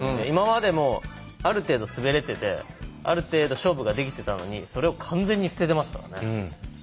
今までもある程度滑れててある程度勝負ができてたのにそれを完全に捨ててますからね。